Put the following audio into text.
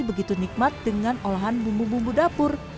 begitu nikmat dengan olahan bumbu bumbu dapur